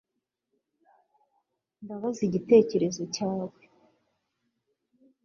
Ndabaza igitekerezo cyawe